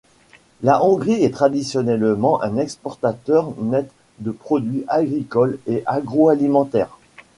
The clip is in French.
La Hongrie est traditionnellement un exportateur net de produits agricoles et agro-alimentaires.